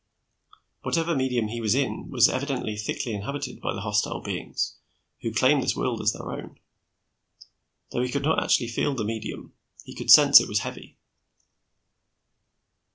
Whatever medium he was in was evidently thickly inhabited by the hostile beings who claimed this world as their own. Though he could not actually feel the medium, he could sense that it was heavy.